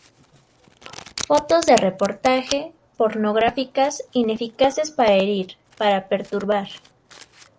Fotos de reportaje, pornográficas, ineficaces para herir, para perturbar.